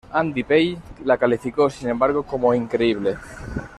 Andy Bell la calificó, sin embargo, como "increíble".